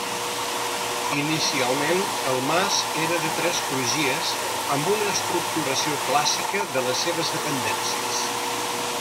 Inicialment el mas era de tres crugies amb una estructuració clàssica de les seves dependències.